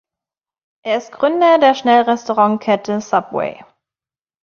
Er ist Gründer der Schnellrestaurantkette Subway.